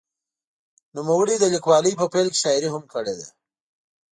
نوموړي د لیکوالۍ په پیل کې شاعري هم کړې ده.